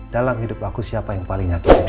dalam hidup aku siapa yang paling nyakitin aku